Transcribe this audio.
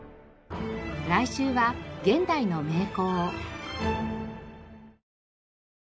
来週は現代の名工。